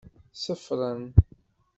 Ṣeffren.